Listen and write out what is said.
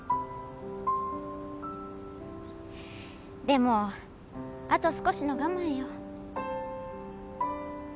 でもあと少しの我慢よ。